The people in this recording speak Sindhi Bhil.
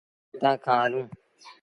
هآڻي هِتآنٚ کآݩ هلونٚ۔